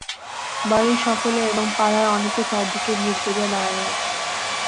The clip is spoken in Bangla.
বাড়ির সকলে এবং পাড়ার অনেকে চারিদিকে ভিড় করিয়া দাড়াইয়া আছে।